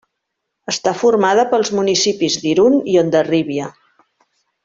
Està formada pels municipis d'Irun i Hondarribia.